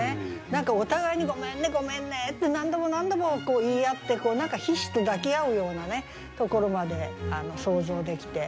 何かお互いに「ごめんね」「ごめんね」って何度も何度も言い合って何かひしと抱き合うようなところまで想像できて。